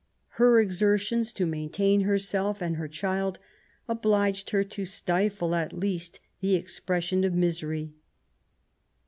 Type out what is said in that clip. Her exertions to maintain herself and her child obliged her to stifle at least the expression of misery.